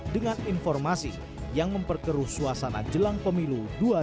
dengan informasi yang memperkeruh suasana jelang pemilu dua ribu dua puluh